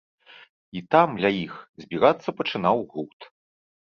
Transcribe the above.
І там, ля іх, збірацца пачынаў гурт.